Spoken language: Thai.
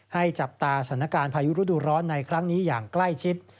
จับตาสถานการณ์พายุฤดูร้อนในครั้งนี้อย่างใกล้ชิด